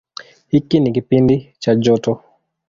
Hiki ni kipindi cha joto.